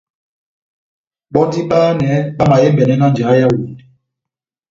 Bɔ́ndini bahanɛ bamahembɛnɛ na njeya yá Yawondɛ.